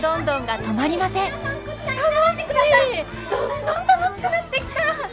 どんどん楽しくなってきた！